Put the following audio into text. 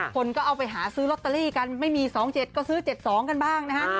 คนก็เอาไปหาซื้อลอตเตอรี่กันไม่มี๒๗ก็ซื้อ๗๒กันบ้างนะฮะ